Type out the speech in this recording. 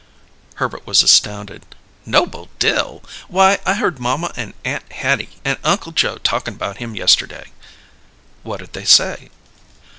Herbert was astounded. "Noble Dill? Why, I heard mamma and Aunt Hattie and Uncle Joe talkin' about him yesterday." "What'd they say?"